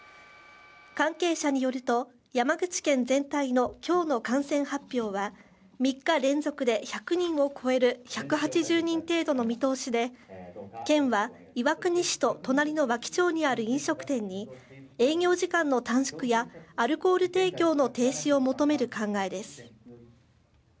関係者によると山口県全体の今日の感染発表は３日連続で１００人を超える１８０人程度の見通しで県は岩国市と隣の和木町にある飲食店に営業時間の短縮やアルコール提供の停止を求める考えです